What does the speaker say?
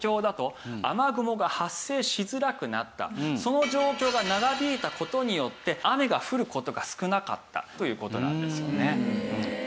その状況が長引いた事によって雨が降る事が少なかったという事なんですよね。